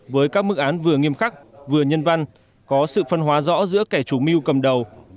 với các mức án vừa nghiêm khắc vừa nhân văn có sự phân hóa rõ giữa kẻ chủ mưu cầm đầu